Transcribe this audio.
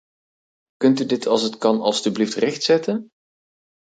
Kunt u dit als het kan alstublieft rechtzetten?